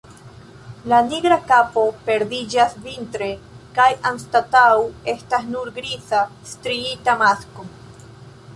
La nigra kapo perdiĝas vintre kaj anstataŭ estas nur griza striita masko.